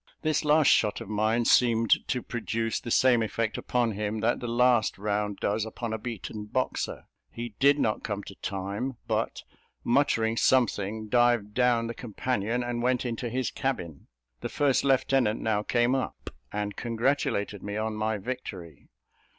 This last shot of mine seemed to produce the same effect upon him that the last round does upon a beaten boxer; he did not come to time, but, muttering something, dived down the companion, and went into his cabin. The first lieutenant now came up, and congratulated me on my victory.